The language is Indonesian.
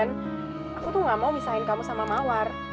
ben aku tuh nggak mau misahin kamu sama mawar